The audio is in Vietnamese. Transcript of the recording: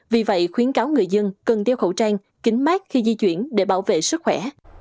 vì vậy khuyến cáo người dân cần đeo khẩu trang kính mát khi di chuyển để bảo vệ sức khỏe